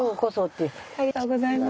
ありがとうございます。